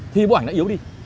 thì bộ ảnh nó yếu đi